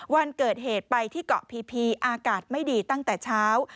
วันเกิดเหตุไปที่เกาะพีอากาศไม่ดีตั้งแต่เช้า